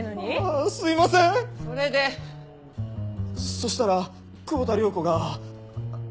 そしたら久保田涼子が。